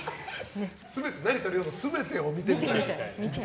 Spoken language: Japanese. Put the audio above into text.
成田凌の全てを見てみたい。